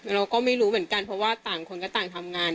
เราก็ไม่รู้เหมือนกันเพราะว่าต่างคนก็ต่างทำงาน